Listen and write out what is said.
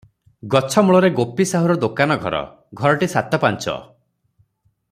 ଗଛମୂଳରେ ଗୋପୀସାହୁର ଦୋକାନ ଘର, ଘରଟି ସାତପାଞ୍ଚ ।